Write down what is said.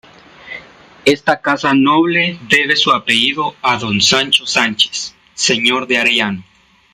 Esta casa noble debe su apellido a don Sancho Sánchez, señor de Arellano.